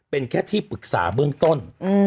เป็นแค่ที่ปรึกษาเบื้องต้น